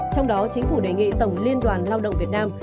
trong đó chính phủ đề nghị tổng liên đoàn lao động việt nam